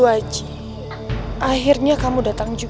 bagaimana perbuatan itu